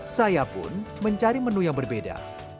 saya pun mencari menu yang berbeda